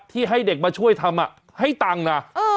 ที่ให้เด็กมาช่วยทำอ่ะให้ตังค์น่ะเออ